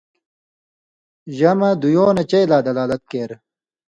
جمع دُیُوں نہ چئ لا دلالت کېر